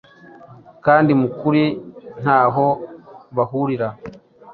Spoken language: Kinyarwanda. kandi mu kuri ntaho bahurira